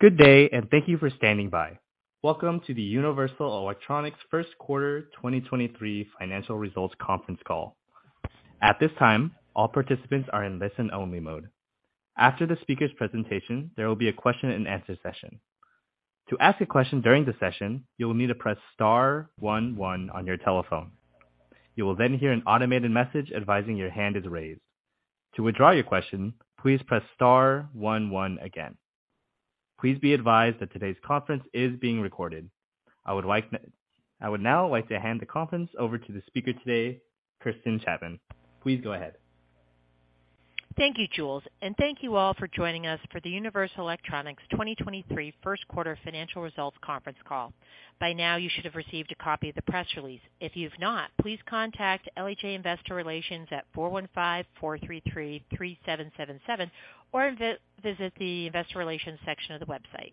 Good day. Thank you for standing by. Welcome to the Universal Electronics first quarter 2023 financial results conference call. At this time, all participants are in listen-only mode. After the speaker's presentation, there will be a question-and-answer session. To ask a question during the session, you will need to press star one one on your telephone. You will hear an automated message advising your hand is raised. To withdraw your question, please press star one one again. Please be advised that today's conference is being recorded. I would now like to hand the conference over to the speaker today, Kirsten Chapman. Please go ahead. Thank you, Jules, and thank you all for joining us for the Universal Electronics 2023 first quarter financial results conference call. By now, you should have received a copy of the press release. If you've not, please contact LHA Investor Relations at 415-433-3777, or visit the investor relations section of the website.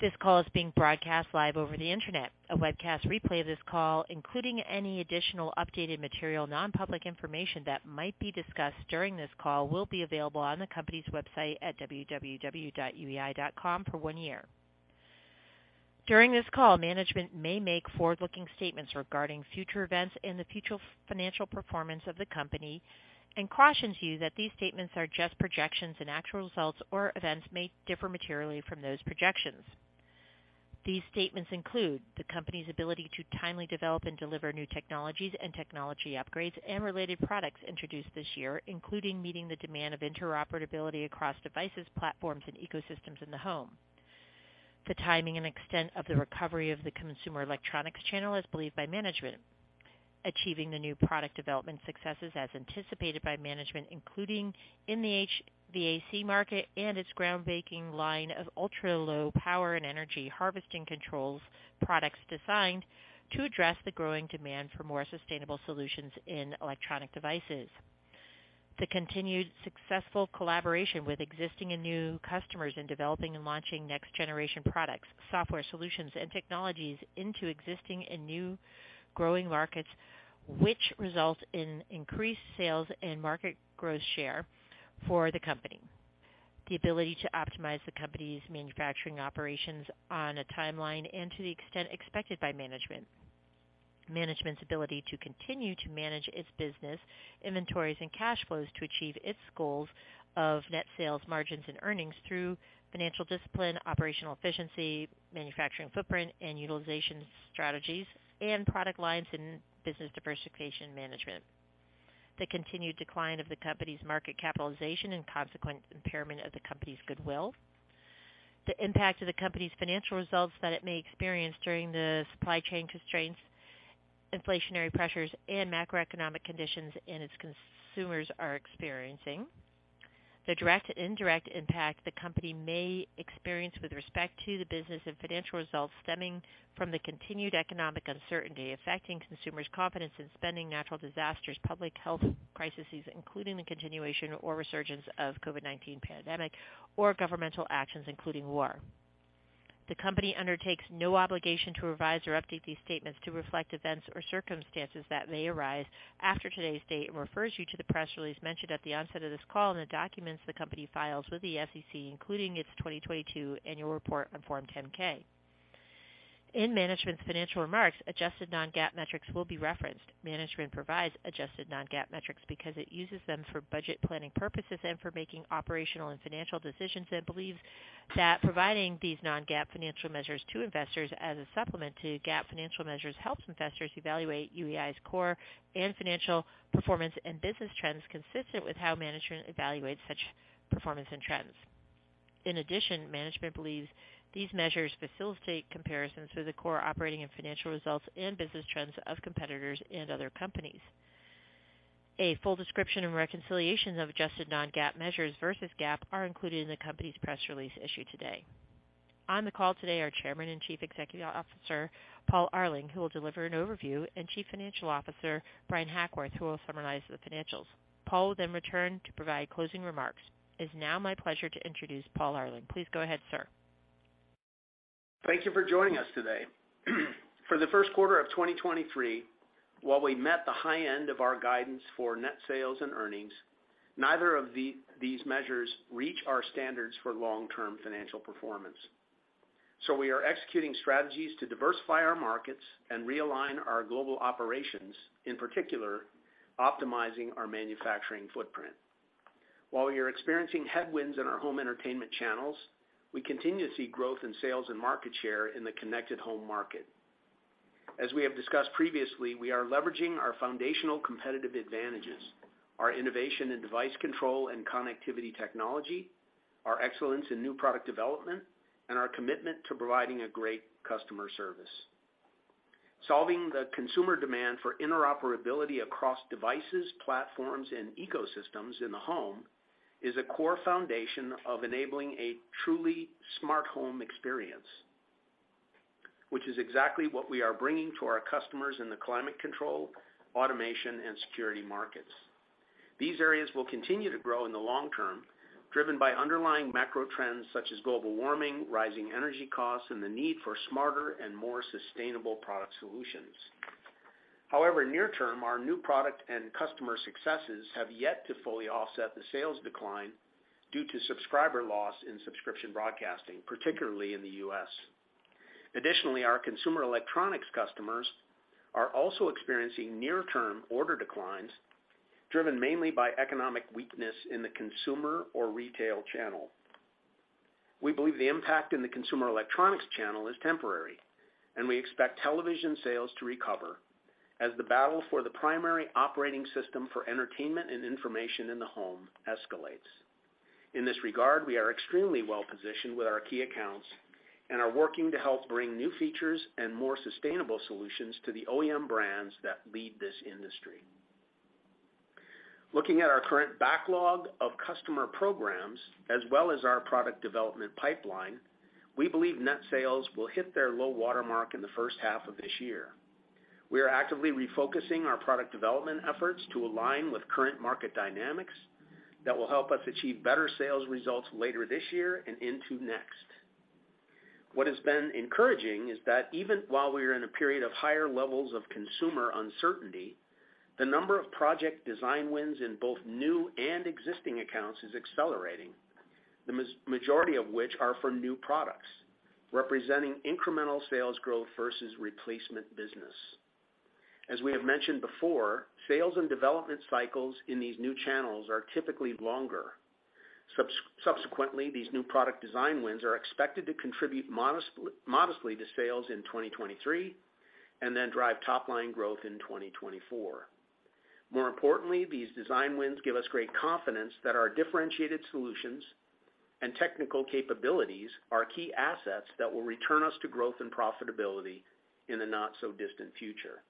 This call is being broadcast live over the Internet. A webcast replay of this call, including any additional updated material, non-public information that might be discussed during this call, will be available on the company's website at www.uei.com for one year. During this call, management may make forward-looking statements regarding future events and the future financial performance of the company and cautions you that these statements are just projections and actual results or events may differ materially from those projections. These statements include the company's ability to timely develop and deliver new technologies and technology upgrades and related products introduced this year, including meeting the demand of interoperability across devices, platforms, and ecosystems in the home. The timing and extent of the recovery of the consumer electronics channel as believed by management. Achieving the new product development successes as anticipated by management, including in the HVAC market and its groundbreaking line of ultra-low power and energy harvesting controls products designed to address the growing demand for more sustainable solutions in electronic devices. The continued successful collaboration with existing and new customers in developing and launching next-generation products, software solutions, and technologies into existing and new growing markets, which result in increased sales and market growth share for the company. The ability to optimize the company's manufacturing operations on a timeline and to the extent expected by management. Management's ability to continue to manage its business, inventories, and cash flows to achieve its goals of net sales margins and earnings through financial discipline, operational efficiency, manufacturing footprint, and utilization strategies, and product lines and business diversification management. The continued decline of the company's market capitalization and consequent impairment of the company's goodwill. The impact of the company's financial results that it may experience during the supply chain constraints, inflationary pressures, and macroeconomic conditions and its consumers are experiencing. The direct and indirect impact the company may experience with respect to the business and financial results stemming from the continued economic uncertainty affecting consumers' confidence in spending natural disasters, public health crises, including the continuation or resurgence of COVID-19 pandemic or governmental actions, including war. The company undertakes no obligation to revise or update these statements to reflect events or circumstances that may arise after today's date and refers you to the press release mentioned at the onset of this call and the documents the company files with the SEC, including its 2022 annual report on Form 10-K. In management's financial remarks, adjusted non-GAAP metrics will be referenced. Management provides adjusted non-GAAP metrics because it uses them for budget planning purposes and for making operational and financial decisions, and believes that providing these non-GAAP financial measures to investors as a supplement to GAAP financial measures helps investors evaluate UEI's core and financial performance and business trends consistent with how management evaluates such performance and trends. In addition, management believes these measures facilitate comparisons with the core operating and financial results and business trends of competitors and other companies. A full description and reconciliations of adjusted non-GAAP measures versus GAAP are included in the company's press release issued today. On the call today are Chairman and Chief Executive Officer, Paul Arling, who will deliver an overview, and Chief Financial Officer, Bryan Hackworth, who will summarize the financials. Paul will then return to provide closing remarks. It's now my pleasure to introduce Paul Arling. Please go ahead, sir. Thank you for joining us today. For the first quarter of 2023, while we met the high end of our guidance for net sales and earnings, neither of these measures reach our standards for long-term financial performance. We are executing strategies to diversify our markets and realign our global operations, in particular, optimizing our manufacturing footprint. While we are experiencing headwinds in our home entertainment channels, we continue to see growth in sales and market share in the connected home market. As we have discussed previously, we are leveraging our foundational competitive advantages, our innovation in device control and connectivity technology, our excellence in new product development, and our commitment to providing a great customer service. Solving the consumer demand for interoperability across devices, platforms, and ecosystems in the home is a core foundation of enabling a truly smart home experience, which is exactly what we are bringing to our customers in the climate control, automation, and security markets. These areas will continue to grow in the long term, driven by underlying macro trends such as global warming, rising energy costs, and the need for smarter and more sustainable product solutions. However, near term, our new product and customer successes have yet to fully offset the sales decline due to subscriber loss in subscription broadcasting, particularly in the U.S. Additionally, our consumer electronics customers are also experiencing near-term order declines, driven mainly by economic weakness in the consumer or retail channel. We believe the impact in the consumer electronics channel is temporary, and we expect television sales to recover as the battle for the primary operating system for entertainment and information in the home escalates. In this regard, we are extremely well positioned with our key accounts and are working to help bring new features and more sustainable solutions to the OEM brands that lead this industry. Looking at our current backlog of customer programs as well as our product development pipeline, we believe net sales will hit their low watermark in the first half of this year. We are actively refocusing our product development efforts to align with current market dynamics that will help us achieve better sales results later this year and into next. What has been encouraging is that even while we are in a period of higher levels of consumer uncertainty, the number of project design wins in both new and existing accounts is accelerating, the majority of which are from new products, representing incremental sales growth versus replacement business. As we have mentioned before, sales and development cycles in these new channels are typically longer. Subsequently, these new product design wins are expected to contribute modestly to sales in 2023 and then drive top line growth in 2024. More importantly, these design wins give us great confidence that our differentiated solutions and technical capabilities are key assets that will return us to growth and profitability in the not so distant future.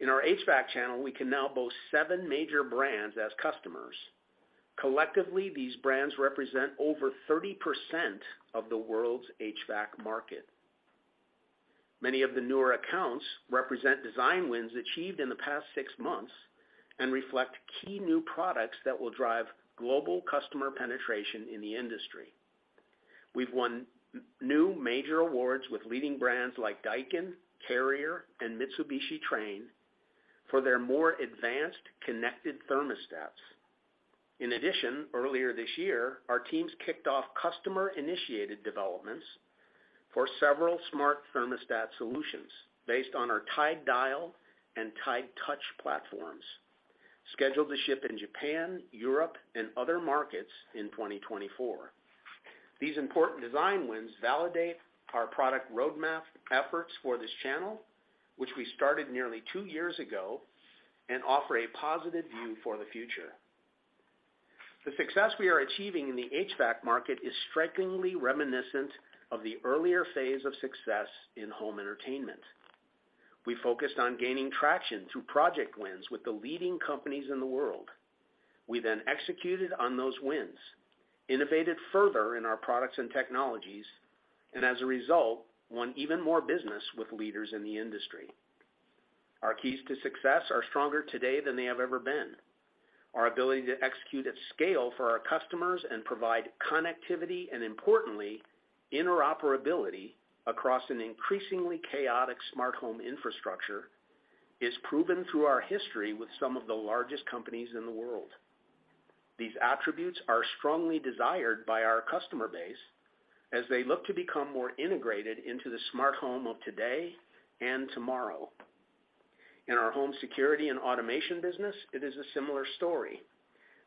In our HVAC channel, we can now boast seven major brands as customers. Collectively, these brands represent over 30% of the world's HVAC market. Many of the newer accounts represent design wins achieved in the past six months and reflect key new products that will drive global customer penetration in the industry. We've won new major awards with leading brands like Daikin, Carrier and Mitsubishi Trane for their more advanced connected thermostats. Earlier this year, our teams kicked off customer initiated developments for several smart thermostat solutions based on our TIDE Dial and TIDE Touch platforms, scheduled to ship in Japan, Europe, and other markets in 2024. These important design wins validate our product roadmap efforts for this channel, which we started nearly two years ago, and offer a positive view for the future. The success we are achieving in the HVAC market is strikingly reminiscent of the earlier phase of success in home entertainment. We focused on gaining traction through project wins with the leading companies in the world. We then executed on those wins, innovated further in our products and technologies, and as a result, won even more business with leaders in the industry. Our keys to success are stronger today than they have ever been. Our ability to execute at scale for our customers and provide connectivity, and importantly, interoperability across an increasingly chaotic smart home infrastructure is proven through our history with some of the largest companies in the world. These attributes are strongly desired by our customer base as they look to become more integrated into the smart home of today and tomorrow. In our home security and automation business, it is a similar story.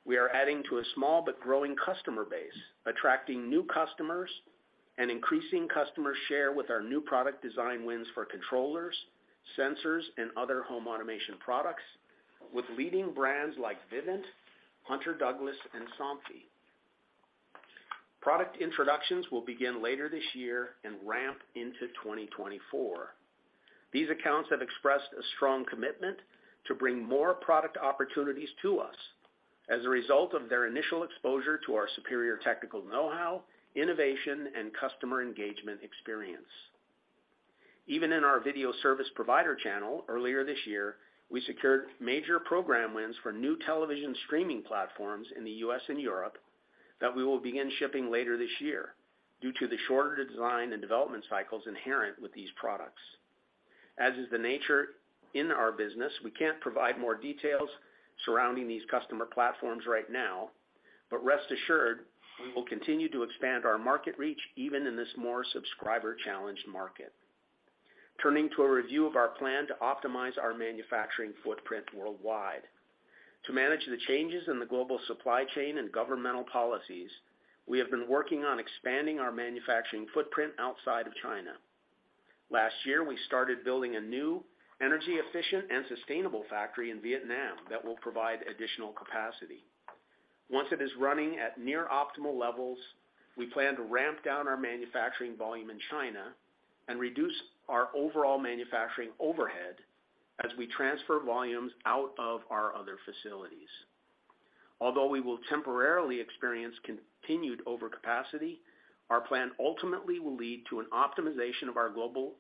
We are adding to a small but growing customer base, attracting new customers and increasing customer share with our new product design wins for controllers, sensors, and other home automation products with leading brands like Vivint, Hunter Douglas and Somfy. Product introductions will begin later this year and ramp into 2024. These accounts have expressed a strong commitment to bring more product opportunities to us as a result of their initial exposure to our superior technical know-how, innovation, and customer engagement experience. Even in our video service provider channel earlier this year, we secured major program wins for new television streaming platforms in the U.S. and Europe that we will begin shipping later this year due to the shorter design and development cycles inherent with these products. As is the nature in our business, we can't provide more details surrounding these customer platforms right now. Rest assured, we will continue to expand our market reach even in this more subscriber challenged market. Turning to a review of our plan to optimize our manufacturing footprint worldwide. To manage the changes in the global supply chain and governmental policies, we have been working on expanding our manufacturing footprint outside of China. Last year, we started building a new energy efficient and sustainable factory in Vietnam that will provide additional capacity. Once it is running at near optimal levels, we plan to ramp down our manufacturing volume in China and reduce our overall manufacturing overhead as we transfer volumes out of our other facilities. Although we will temporarily experience continued overcapacity, our plan ultimately will lead to an optimization of our global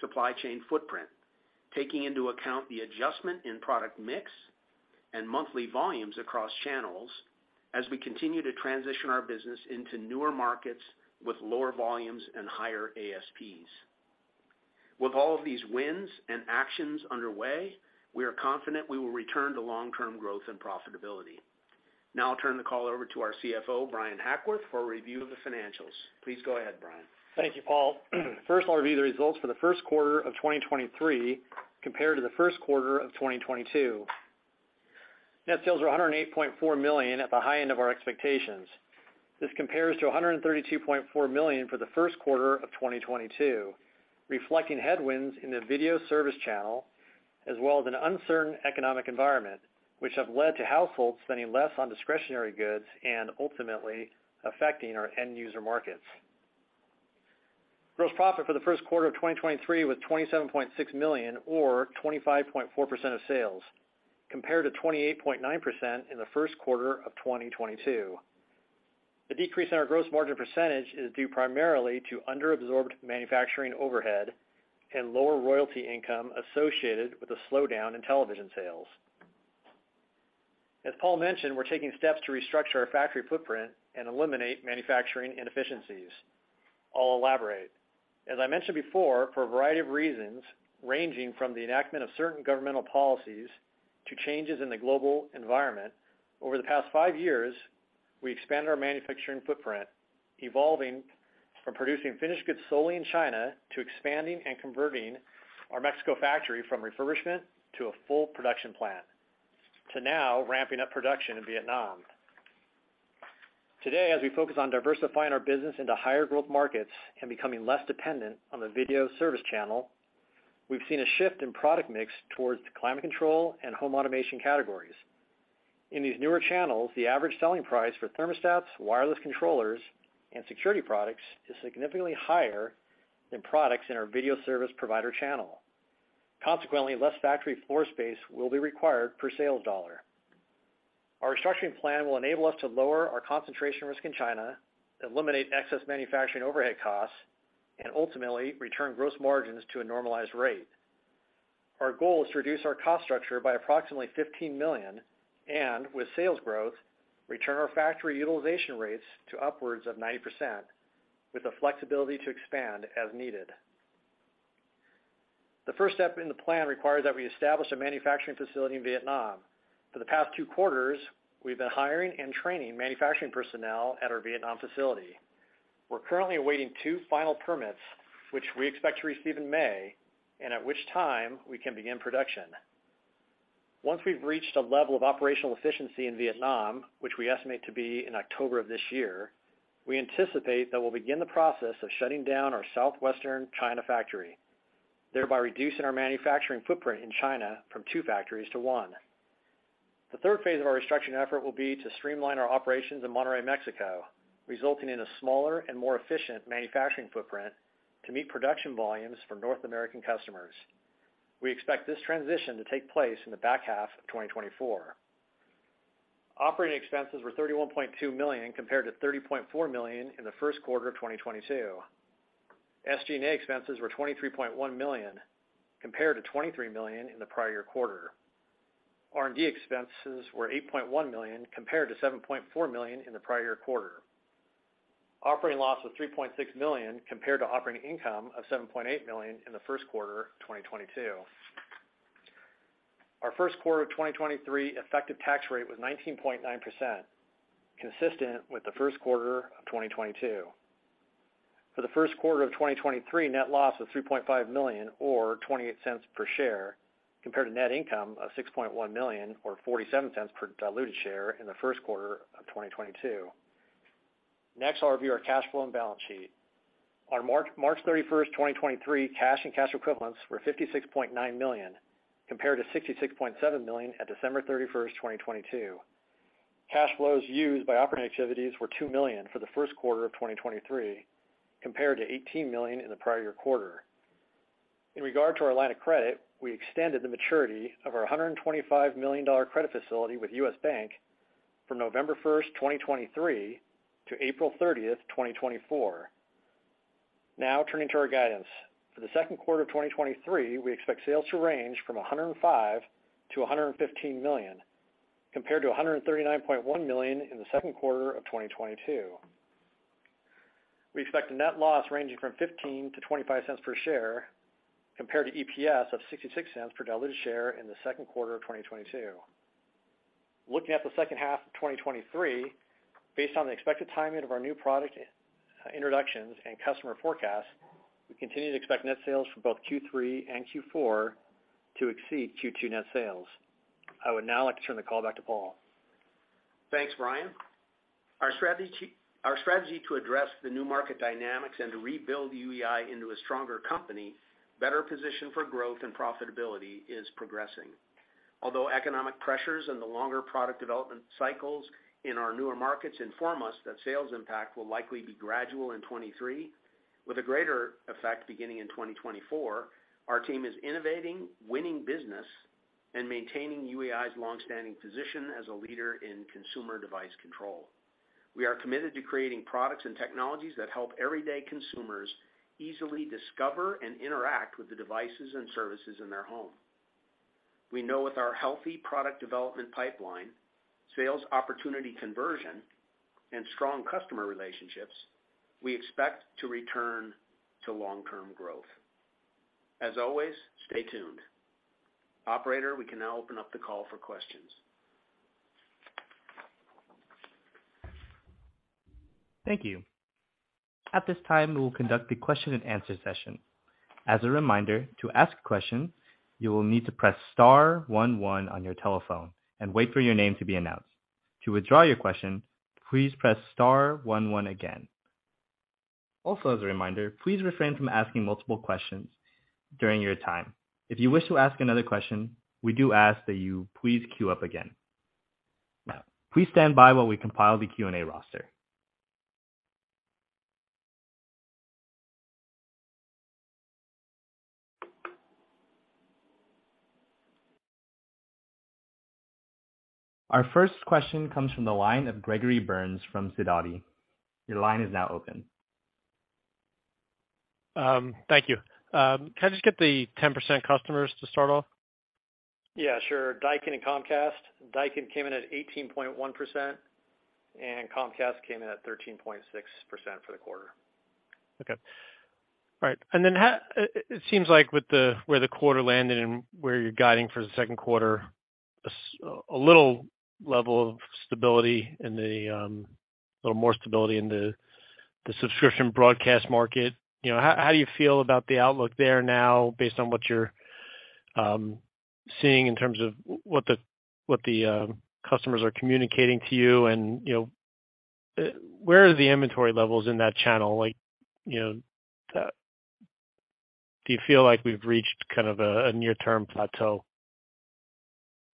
supply chain footprint. Taking into account the adjustment in product mix and monthly volumes across channels as we continue to transition our business into newer markets with lower volumes and higher ASPs. With all of these wins and actions underway, we are confident we will return to long-term growth and profitability. I'll turn the call over to our CFO, Bryan Hackworth, for a review of the financials. Please go ahead, Bryan. Thank you, Paul. First, I'll review the results for the first quarter of 2023 compared to the first quarter of 2022. Net sales were $108.4 million at the high end of our expectations. This compares to $132.4 million for the first quarter of 2022, reflecting headwinds in the video service channel, as well as an uncertain economic environment, which have led to households spending less on discretionary goods and ultimately affecting our end user markets. Gross profit for the first quarter of 2023 was $27.6 million or 25.4% of sales, compared to 28.9% in the first quarter of 2022. The decrease in our gross margin percentage is due primarily to under-absorbed manufacturing overhead and lower royalty income associated with a slowdown in television sales. As Paul mentioned, we're taking steps to restructure our factory footprint and eliminate manufacturing inefficiencies. I'll elaborate. As I mentioned before, for a variety of reasons, ranging from the enactment of certain governmental policies to changes in the global environment, over the past 5 years, we expanded our manufacturing footprint, evolving from producing finished goods solely in China to expanding and converting our Mexico factory from refurbishment to a full production plant, to now ramping up production in Vietnam. Today, as we focus on diversifying our business into higher growth markets and becoming less dependent on the video service channel, we've seen a shift in product mix towards the climate control and home automation categories. In these newer channels, the average selling price for thermostats, wireless controllers, and security products is significantly higher than products in our video service provider channel. Consequently, less factory floor space will be required per sales dollar. Our restructuring plan will enable us to lower our concentration risk in China, eliminate excess manufacturing overhead costs, and ultimately return gross margins to a normalized rate. Our goal is to reduce our cost structure by approximately $15 million and, with sales growth, return our factory utilization rates to upwards of 90% with the flexibility to expand as needed. The first step in the plan requires that we establish a manufacturing facility in Vietnam. For the past two quarters, we've been hiring and training manufacturing personnel at our Vietnam facility. We're currently awaiting two final permits, which we expect to receive in May, and at which time we can begin production. Once we've reached a level of operational efficiency in Vietnam, which we estimate to be in October of this year, we anticipate that we'll begin the process of shutting down our Southwestern China factory, thereby reducing our manufacturing footprint in China from two factories to one. The third phase of our restructuring effort will be to streamline our operations in Monterrey, Mexico, resulting in a smaller and more efficient manufacturing footprint to meet production volumes for North American customers. We expect this transition to take place in the back half of 2024. Operating expenses were $31.2 million compared to $30.4 million in the first quarter of 2022. SG&A expenses were $23.1 million compared to $23 million in the prior-year quarter. R&D expenses were $8.1 million compared to $7.4 million in the prior year quarter. Operating loss was $3.6 million compared to operating income of $7.8 million in the first quarter of 2022. Our first quarter of 2023 effective tax rate was 19.9%, consistent with the first quarter of 2022. For the first quarter of 2023, net loss was $3.5 million or $0.28 per share compared to net income of $6.1 million or $0.47 per diluted share in the first quarter of 2022. I'll review our cash flow and balance sheet. On March 31st, 2023, cash and cash equivalents were $56.9 million compared to $66.7 million at December 31st, 2022. Cash flows used by operating activities were $2 million for the first quarter of 2023 compared to $18 million in the prior year quarter. In regard to our line of credit, we extended the maturity of our $125 million credit facility with U.S. Bank from November 1st, 2023 to April 30th, 2024. Turning to our guidance. For the second quarter of 2023, we expect sales to range from $105 million-$115 million compared to $139.1 million in the second quarter of 2022. We expect a net loss ranging from $0.15-$0.25 per share compared to EPS of $0.66 per diluted share in the second quarter of 2022. Looking at the second half of 2023, based on the expected timing of our new product introductions and customer forecasts, we continue to expect net sales for both Q3 and Q4 to exceed Q2 net sales. I would now like to turn the call back to Paul. Thanks, Bryan. Our strategy to address the new market dynamics and to rebuild UEI into a stronger company, better positioned for growth and profitability is progressing. Although economic pressures and the longer product development cycles in our newer markets inform us that sales impact will likely be gradual in 23, with a greater effect beginning in 2024, our team is innovating, winning business, and maintaining UEI's longstanding position as a leader in consumer device control. We are committed to creating products and technologies that help everyday consumers easily discover and interact with the devices and services in their home. We know with our healthy product development pipeline, sales opportunity conversion, and strong customer relationships, we expect to return to long-term growth. As always, stay tuned. Operator, we can now open up the call for questions. Thank you. At this time, we will conduct the question and answer session. As a reminder, to ask questions, you will need to press star one on your telephone and wait for your name to be announced. To withdraw your question, please press star one one again. Also as a reminder, please refrain from asking multiple questions during your time. If you wish to ask another question, we do ask that you please queue up again. Please stand by while we compile the Q&A roster. Our first question comes from the line of Gregory Burns from Sidoti. Your line is now open. Thank you. Can I just get the 10% customers to start off? Yeah, sure. Daikin and Comcast. Daikin came in at 18.1%, and Comcast came in at 13.6% for the quarter. Okay. All right. It seems like with the, where the quarter landed and where you're guiding for the second quarter, a little level of stability in the, a little more stability in the subscription broadcast market. You know, how do you feel about the outlook there now based on what you're seeing in terms of what the customers are communicating to you? You know, where are the inventory levels in that channel? Like, you know, do you feel like we've reached kind of a near-term plateau?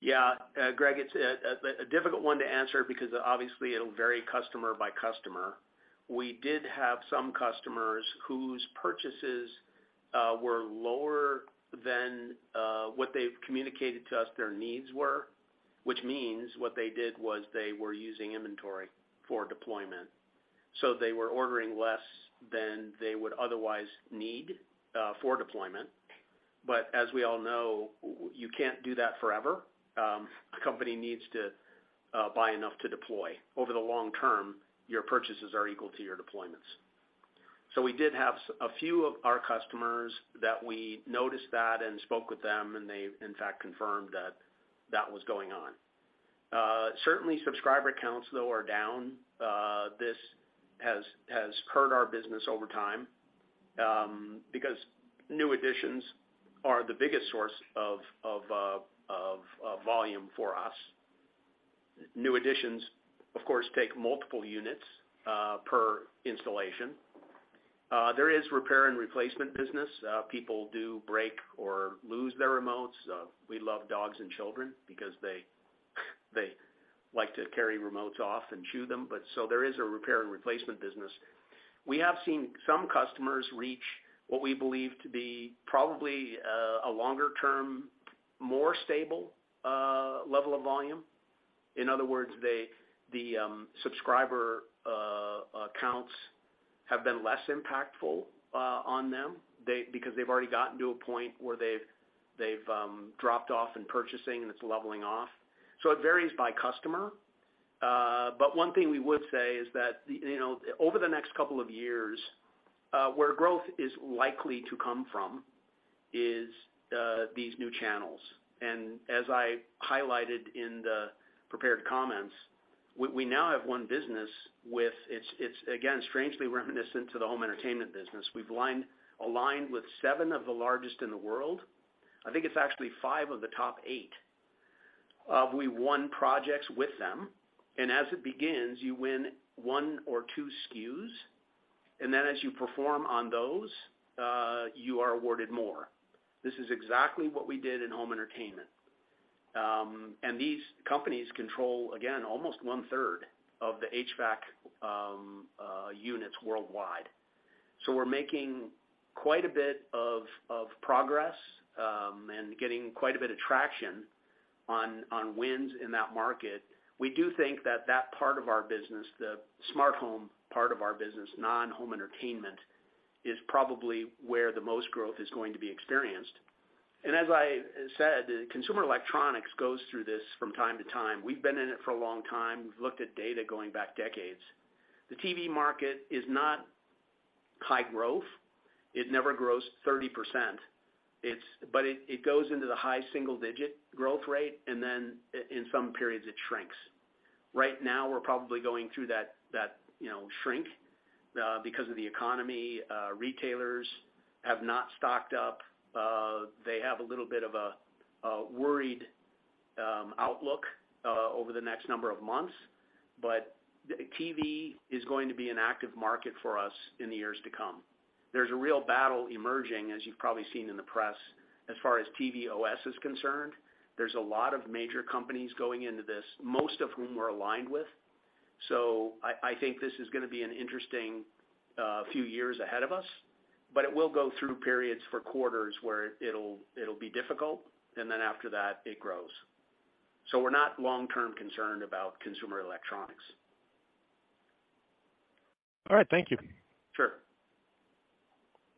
Yeah. Greg, it's a difficult one to answer because obviously it'll vary customer by customer. We did have some customers whose purchases were lower than what they've communicated to us their needs were, which means what they did was they were using inventory for deployment. They were ordering less than they would otherwise need for deployment. As we all know, you can't do that forever. A company needs to buy enough to deploy. Over the long term, your purchases are equal to your deployments. We did have a few of our customers that we noticed that and spoke with them, and they in fact confirmed that that was going on. Certainly subscriber counts though are down. This has hurt our business over time because new additions are the biggest source of volume for us. New additions, of course, take multiple units per installation. There is repair and replacement business. People do break or lose their remotes. We love dogs and children because they like to carry remotes off and chew them, but so there is a repair and replacement business. We have seen some customers reach what we believe to be probably a longer term, more stable level of volume. In other words, the subscriber accounts have been less impactful on them. Because they've already gotten to a point where they've dropped off in purchasing and it's leveling off. It varies by customer. One thing we would say is that, you know, over the next couple of years, where growth is likely to come from is these new channels. As I highlighted in the prepared comments, we now have one business with. It's again, strangely reminiscent to the home entertainment business. We've aligned with seven of the largest in the world. I think it's actually five of the top eight. We won projects with them, and as it begins, you win one or two SKUs, and then as you perform on those, you are awarded more. This is exactly what we did in home entertainment. These companies control, again, almost 1/3 of the HVAC units worldwide. We're making quite a bit of progress and getting quite a bit of traction on wins in that market. We do think that part of our business, the smart home part of our business, non-home entertainment, is probably where the most growth is going to be experienced. As I said, consumer electronics goes through this from time to time. We've been in it for a long time. We've looked at data going back decades. The TV market is not high growth. It never grows 30%. It goes into the high single-digit growth rate, and then in some periods it shrinks. Right now, we're probably going through that, you know, shrink, because of the economy. Retailers have not stocked up. They have a little bit of a worried outlook over the next number of months. TV is going to be an active market for us in the years to come. There's a real battle emerging, as you've probably seen in the press, as far as TV OS is concerned. There's a lot of major companies going into this, most of whom we're aligned with. I think this is gonna be an interesting few years ahead of us. It will go through periods for quarters where it'll be difficult, and then after that it grows. We're not long-term concerned about consumer electronics. All right. Thank you. Sure.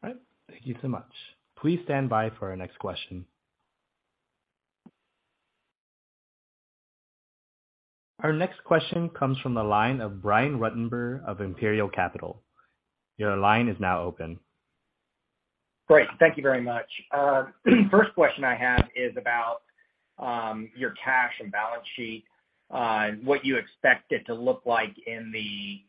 All right. Thank you so much. Please stand by for our next question. Our next question comes from the line of Brian Ruttenbur of Imperial Capital. Your line is now open. Great. Thank you very much. first question I have is about your cash and balance sheet, and what you expect it to look like in the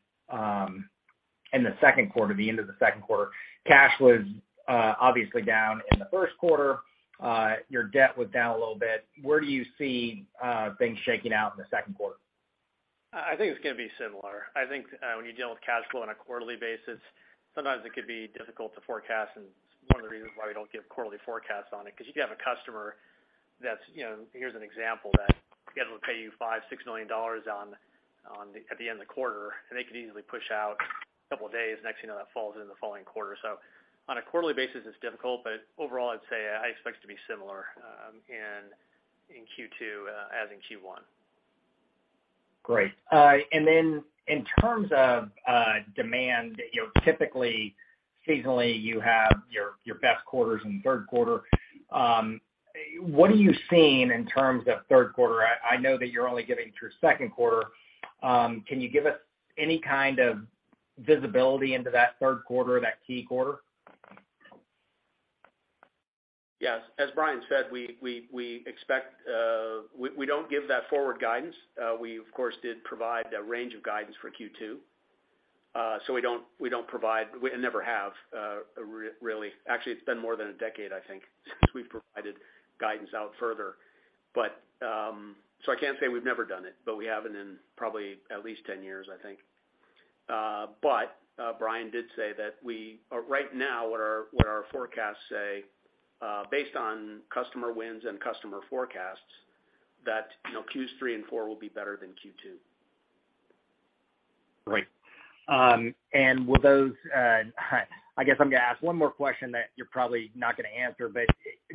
second quarter, the end of the second quarter. Cash was obviously down in the first quarter. your debt was down a little bit. Where do you see things shaking out in the second quarter? I think it's gonna be similar. I think, when you deal with cash flow on a quarterly basis, sometimes it could be difficult to forecast. It's one of the reasons why we don't give quarterly forecasts on it, 'cause you could have a customer that's, you know. Here's an example that, guy will pay you $5 million-$6 million at the end of the quarter, and they could easily push out a couple of days. Next thing you know, that falls in the following quarter. On a quarterly basis, it's difficult, but overall, I'd say I expect it to be similar, in Q2, as in Q1. Great. Then in terms of demand, you know, typically seasonally, you have your best quarters in the third quarter. What are you seeing in terms of third quarter? I know that you're only getting through second quarter. Can you give us any kind of visibility into that third quarter, that key quarter? Yes. As Bryan said, we expect we don't give that forward guidance. We of course did provide a range of guidance for Q2. We don't provide, we never have. Actually, it's been more than a decade, I think, since we've provided guidance out further. I can't say we've never done it, but we haven't in probably at least 10 years, I think. Bryan did say that right now what our forecasts say, based on customer wins and customer forecasts, that, you know, Q3 and Q4 will be better than Q2. Great. Will those, I guess I'm gonna ask one more question that you're probably not gonna answer, but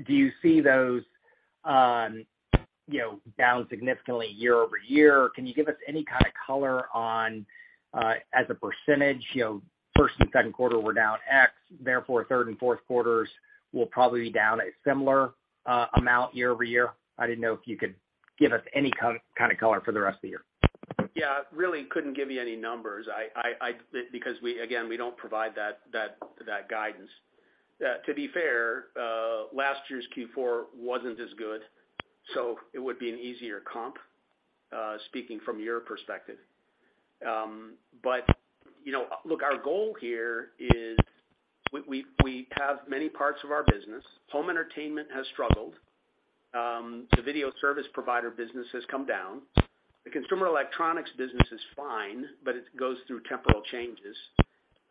do you see those, you know, down significantly year-over-year? Can you give us any kind of color on, as a percentage, you know, first and second quarter we're down X, therefore third and fourth quarters will probably be down a similar amount year-over-year? I didn't know if you could give us any kind of color for the rest of the year. I really couldn't give you any numbers. We again, we don't provide that guidance. To be fair, last year's Q4 wasn't as good, so it would be an easier comp, speaking from your perspective. You know, look, our goal here is we have many parts of our business. Home entertainment has struggled. The video service provider business has come down. The consumer electronics business is fine, but it goes through temporal changes.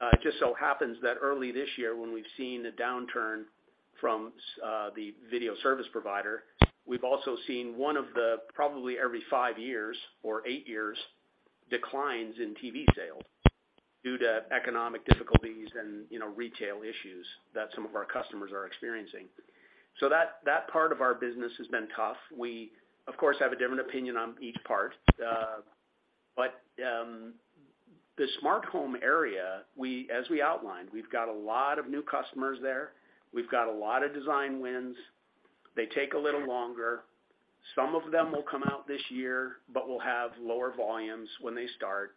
It just so happens that early this year when we've seen a downturn from the video service provider, we've also seen one of the, probably every five years or eight years, declines in TV sales due to economic difficulties and, you know, retail issues that some of our customers are experiencing. That part of our business has been tough. We, of course, have a different opinion on each part. The smart home area, as we outlined, we've got a lot of new customers there. We've got a lot of design wins. They take a little longer. Some of them will come out this year, but will have lower volumes when they start.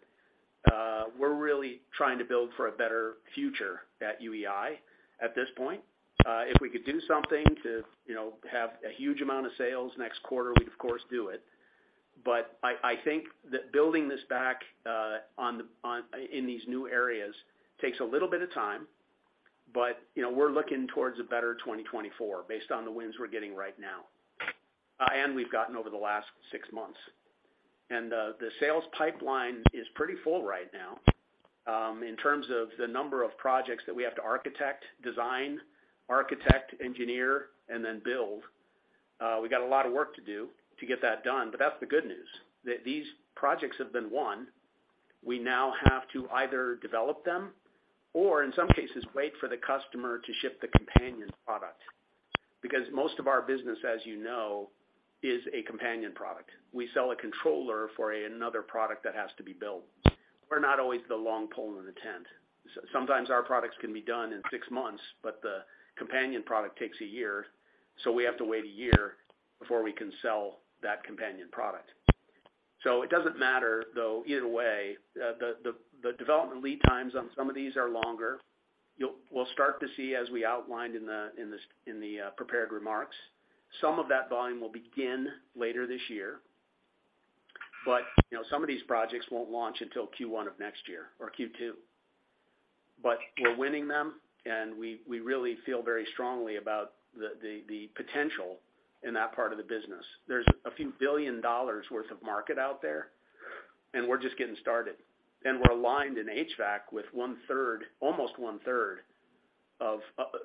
We're really trying to build for a better future at UEI at this point. If we could do something to, you know, have a huge amount of sales next quarter, we'd of course do it. I think that building this back, on, in these new areas takes a little bit of time, you know, we're looking towards a better 2024 based on the wins we're getting right now, and we've gotten over the last six months. The sales pipeline is pretty full right now, in terms of the number of projects that we have to architect, design, engineer, and then build. We've got a lot of work to do to get that done, but that's the good news, that these projects have been won. We now have to either develop them or in some cases wait for the customer to ship the companion product, because most of our business, as you know, is a companion product. We sell a controller for another product that has to be built. We're not always the long pole in the tent. Sometimes our products can be done in six months, but the companion product takes a year, so we have to wait a year before we can sell that companion product. It doesn't matter, though, either way. The development lead times on some of these are longer. We'll start to see, as we outlined in the prepared remarks, some of that volume will begin later this year. You know, some of these projects won't launch until Q1 of next year or Q2. We're winning them, and we really feel very strongly about the potential in that part of the business. There's a few billion dollars worth of market out there, and we're just getting started. We're aligned in HVAC with 1/3, almost 1/3 of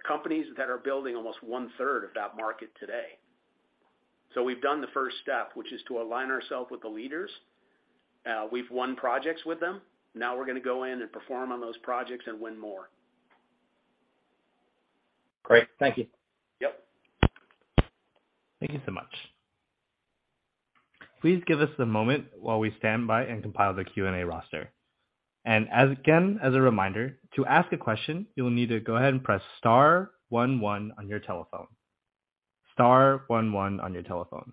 companies that are building almost 1/3 of that market today. We've done the first step, which is to align ourselves with the leaders. We've won projects with them. We're gonna go in and perform on those projects and win more. Great. Thank you. Yep. Thank you so much. Please give us a moment while we stand by and compile the Q&A roster. As, again, as a reminder, to ask a question, you'll need to go ahead and press star one one on your telephone. Star one one on your telephone.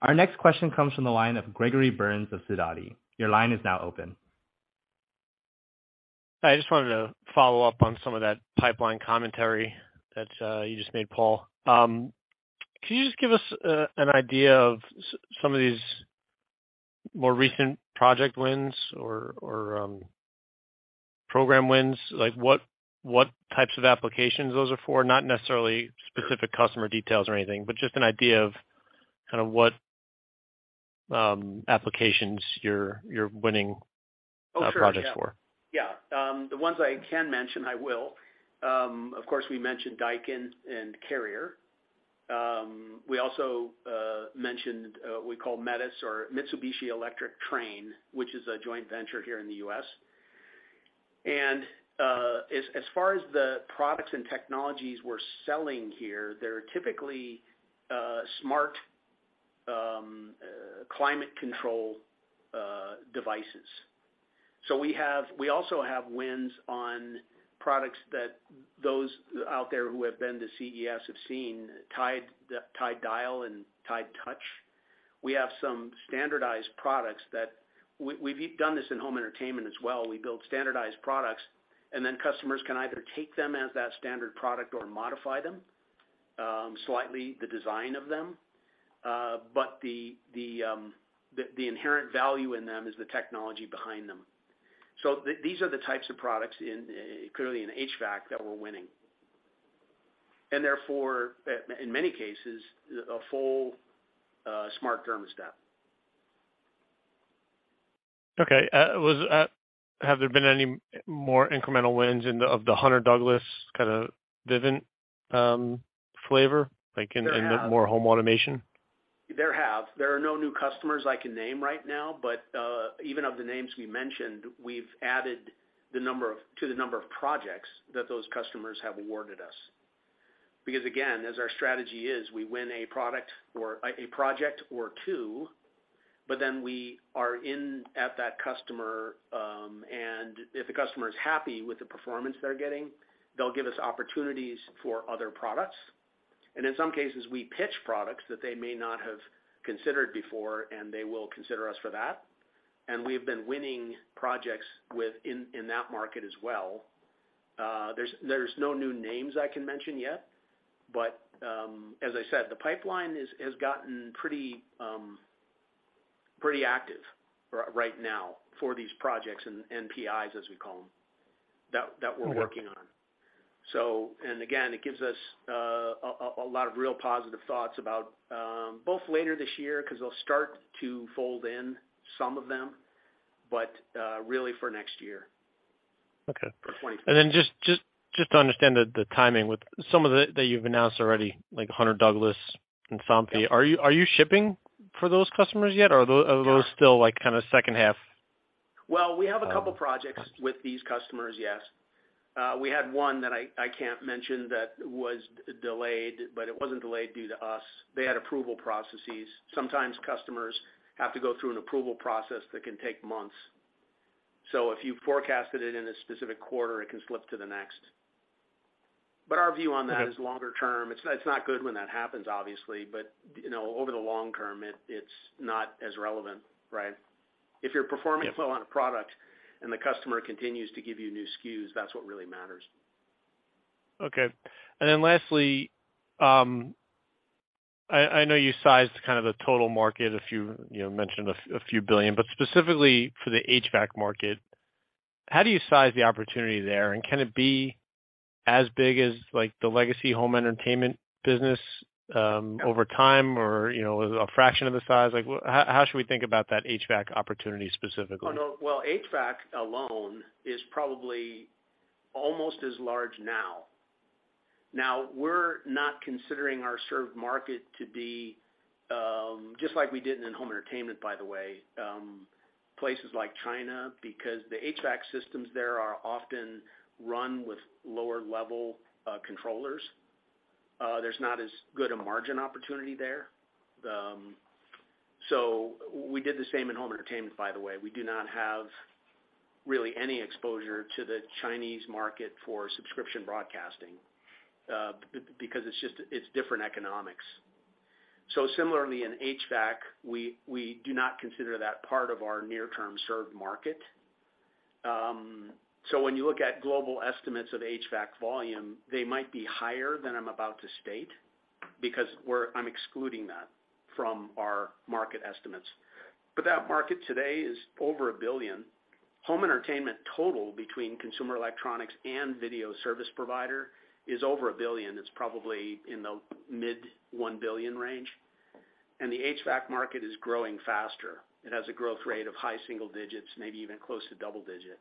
Our next question comes from the line of Gregory Burns of Sidoti. Your line is now open. I just wanted to follow up on some of that pipeline commentary that you just made, Paul. Can you just give us an idea of some of these more recent project wins or program wins? Like, what types of applications those are for? Not necessarily specific customer details or anything, but just an idea of kinda what applications you're winning. Oh, sure, yeah. -projects for. The ones I can mention, I will. Of course, we mentioned Daikin and Carrier. We also mentioned, we call METUS or Mitsubishi Electric Trane, which is a joint venture here in the U.S. As far as the products and technologies we're selling here, they're typically smart climate control devices. We also have wins on products that those out there who have been to CES have seen UEI TIDE, the UEI TIDE Dial and UEI TIDE Touch. We have some standardized products that we've done this in home entertainment as well. We build standardized products, and then customers can either take them as that standard product or modify them slightly the design of them. The inherent value in them is the technology behind them. These are the types of products in, clearly in HVAC that we're winning. Therefore, in many cases, a full smart thermostat. Okay. Have there been any more incremental wins of the Hunter Douglas kinda Vivint flavor, like in- There have more home automation? There are no new customers I can name right now, but even of the names we mentioned, we've added to the number of projects that those customers have awarded us. Again, as our strategy is, we win a product or a project or two, but then we are in at that customer, and if the customer is happy with the performance they're getting, they'll give us opportunities for other products. In some cases, we pitch products that they may not have considered before, they will consider us for that. We've been winning projects in that market as well. There's no new names I can mention yet, but, as I said, the pipeline has gotten pretty active right now for these projects and NPIs, as we call them, that we're- Okay.... working on. And again, it gives us a lot of real positive thoughts about both later this year 'cause they'll start to fold in some of them, but really for next year. Okay. For 2023. Just to understand the timing with some of the, that you've announced already, like Hunter Douglas and Somfy, are you, are you shipping for those customers yet? No. Are those still, like, kinda second half? Well, we have a couple of projects with these customers, yes. We had one that I can't mention that was delayed, but it wasn't delayed due to us. They had approval processes. Sometimes customers have to go through an approval process that can take months. If you forecasted it in a specific quarter, it can slip to the next. Our view on that- Okay.... is longer term. It's not good when that happens, obviously, but, you know, over the long term, it's not as relevant, right? If you're performing- Yeah... well on a product and the customer continues to give you new SKUs, that's what really matters. Okay. Lastly, I know you sized kind of the total market if you know, mentioned a few billion, but specifically for the HVAC market, how do you size the opportunity there? Can it be as big as like the legacy home entertainment business, over time or, you know, a fraction of the size? Like how should we think about that HVAC opportunity specifically? Oh, no. Well, HVAC alone is probably almost as large now. Now, we're not considering our served market to be, just like we did in home entertainment, by the way, places like China, because the HVAC systems there are often run with lower level controllers. There's not as good a margin opportunity there. We did the same in home entertainment, by the way. We do not have really any exposure to the Chinese market for subscription broadcasting, because it's just, it's different economics. Similarly in HVAC, we do not consider that part of our near term served market. When you look at global estimates of HVAC volume, they might be higher than I'm about to state because I'm excluding that from our market estimates. That market today is over $1 billion. Home entertainment total between consumer electronics and video service provider is over $1 billion. It's probably in the mid $1 billion range. The HVAC market is growing faster. It has a growth rate of high single digits, maybe even close to double-digit.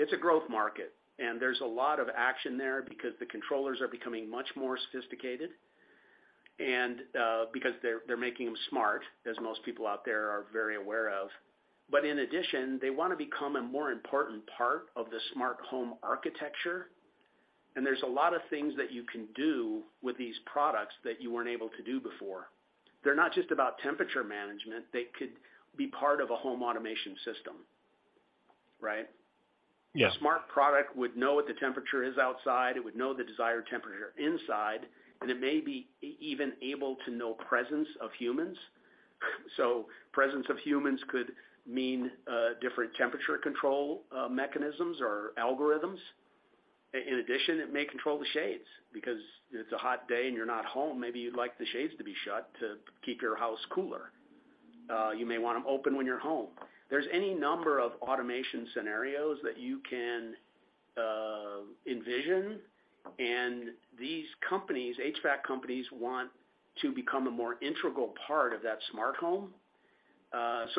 It's a growth market, and there's a lot of action there because the controllers are becoming much more sophisticated and because they're making them smart as most people out there are very aware of. In addition, they wanna become a more important part of the smart home architecture, and there's a lot of things that you can do with these products that you weren't able to do before. They're not just about temperature management. They could be part of a home automation system, right? Yeah. Smart product would know what the temperature is outside, it would know the desired temperature inside, and it may be even able to know presence of humans. Presence of humans could mean different temperature control mechanisms or algorithms. In addition, it may control the shades because if it's a hot day and you're not home, maybe you'd like the shades to be shut to keep your house cooler. You may want them open when you're home. There's any number of automation scenarios that you can envision. These companies, HVAC companies, want to become a more integral part of that smart home.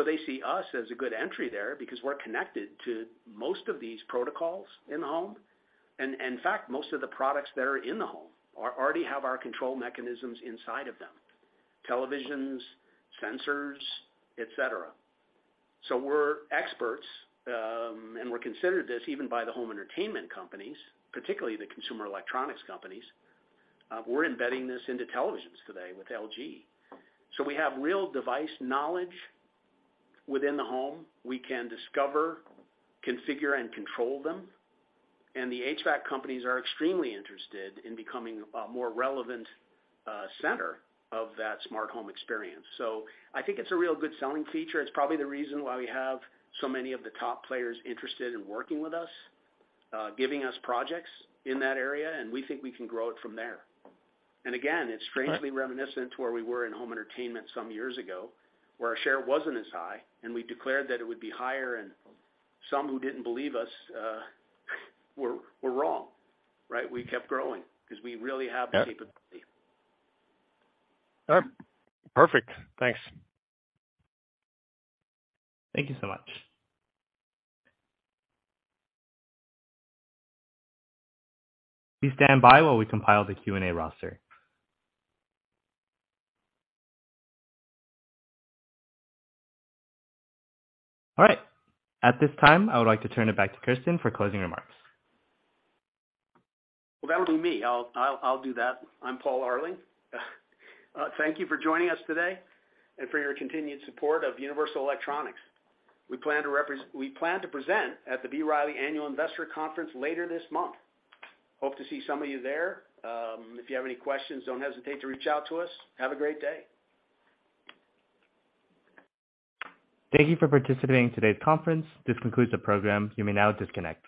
They see us as a good entry there because we're connected to most of these protocols in the home. In fact, most of the products that are in the home are already have our control mechanisms inside of them, televisions, sensors, et cetera. We're experts, and we're considered this even by the home entertainment companies, particularly the consumer electronics companies. We're embedding this into televisions today with LG. We have real device knowledge within the home. We can discover, configure, and control them, and the HVAC companies are extremely interested in becoming a more relevant, center of that smart home experience. I think it's a real good selling feature. It's probably the reason why we have so many of the top players interested in working with us, giving us projects in that area, and we think we can grow it from there. Again, it's strangely reminiscent to where we were in home entertainment some years ago, where our share wasn't as high, and we declared that it would be higher, and some who didn't believe us, were wrong, right? We kept growing 'cause we really have the capability. All right. Perfect. Thanks. Thank you so much. Please stand by while we compile the Q&A roster. All right. At this time, I would like to turn it back to Kirsten for closing remarks. Well, that would be me. I'll do that. I'm Paul Arling. Thank you for joining us today and for your continued support of Universal Electronics. We plan to present at the B. Riley Annual Investor Conference later this month. Hope to see some of you there. If you have any questions, don't hesitate to reach out to us. Have a great day. Thank you for participating in today's conference. This concludes the program. You may now disconnect.